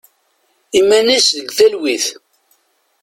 Iman-is deg telwit.